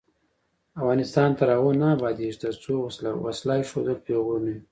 افغانستان تر هغو نه ابادیږي، ترڅو وسله ایښودل پیغور نه وي.